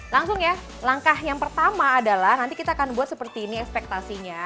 langsung ya langkah yang pertama adalah nanti kita akan buat seperti ini ekspektasinya